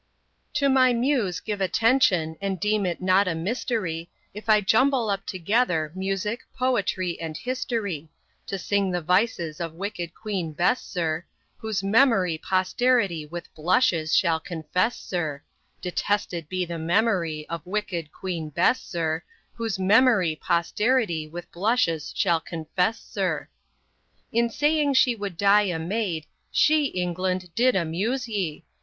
To my Muse give attention, and deem it not a mystery If I jumble up together music, poetry, and history, To sing of the vices of wicked Queen Bess, sir, Whose memory posterity with blushes shall confess, sir, Detested be the memory of wicked Queen Bess, sir, Whose memory posterity with blushes shall confess, sir. In saying she would die a maid, she, England! did amuse ye.